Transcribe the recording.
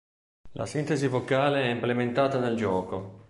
La sintesi vocale è implementata nel gioco.